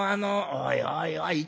「おいおいおい。